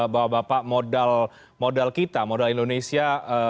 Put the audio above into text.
bapak bapak modal kita modal indonesia